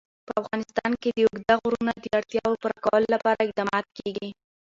په افغانستان کې د اوږده غرونه د اړتیاوو پوره کولو لپاره اقدامات کېږي.